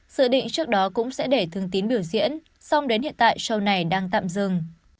dự định trước đó cũng sẽ để thường tín biểu diễn song đến hiện tại sau này đang tạm dừng